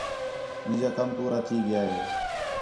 مینجا کم پورا تھئی ڳیا ہے